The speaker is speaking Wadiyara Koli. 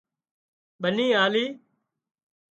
ٻنِي آلي